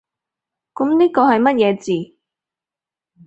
噉呢個係乜嘢字？